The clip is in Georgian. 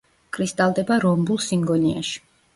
კრისტალდება რომბულ სინგონიაში.